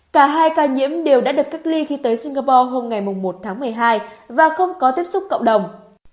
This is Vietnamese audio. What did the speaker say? cả hai ca nhiễm đều đã được cách ly khi tới singapore hôm ngày một tháng một mươi hai và không có tiếp xúc cộng đồng